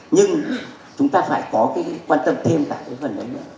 nhưng chúng ta phải có cái quan tâm thêm vào cái phần đấy nữa